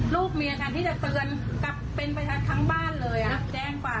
ลูกเมียกันที่จะเตือนกลับเป็นไปทั้งบ้านเลยอ่ะแจ้งความแจ้งเป็นสิบสิบผลแล้ว